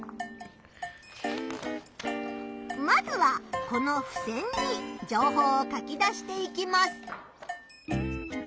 まずはこのふせんに情報を書き出していきます。